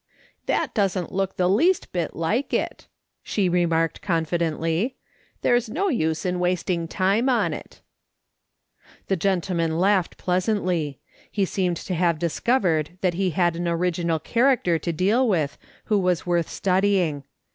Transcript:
"That doesn't look the least bit like it," she remarked confidently. " There's no use in wasting time on it" The gentleman laughed pleasantly ; he seemed to have discovered that he had an original character to deal with, who was worth studying.